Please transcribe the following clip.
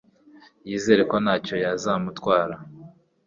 yizera ko nta cyo yazamutwara